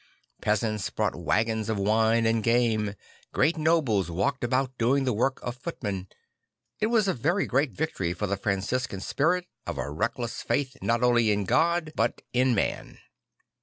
Peasants brought waggons of wine and game; great nobles walked about doing the work of footmen. It was a very real victory for the Franciscan spirit of a reckless faith not only in God but in 144 St. Francis of Assisi man.